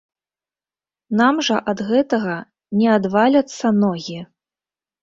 Нам жа ад гэтага не адваляцца ногі.